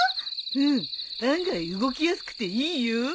うん案外動きやすくていいよ。